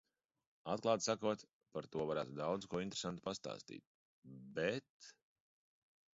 Atklāti sakot, par to varētu daudz ko interesantu pastāstīt, bet...